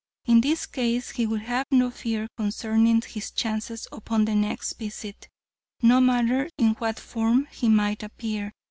In this case he would have no fear concerning his chances upon the next visit, no matter in what form he might appear.